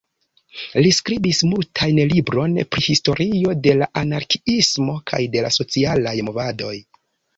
Li skribis multajn libron pri historio de la anarkiismo kaj de la socialaj movadoj.